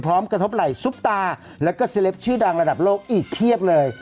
กระทบไหล่ซุปตาแล้วก็เซลปชื่อดังระดับโลกอีกเพียบเลย